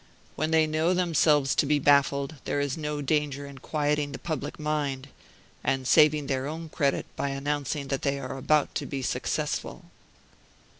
When they know themselves to be baffled, there is no danger in quieting the public mind, and saving their own credit, by announcing that they are about to be successful."